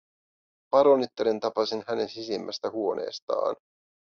Paronittaren tapasin hänen sisimmästä huoneestaan.